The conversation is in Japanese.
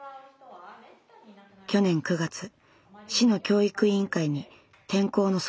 去年９月市の教育委員会に転校の相談をしました。